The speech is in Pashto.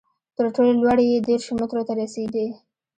تر ټولو لوړې یې دېرشو مترو ته رسېدې.